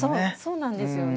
そうなんですよね。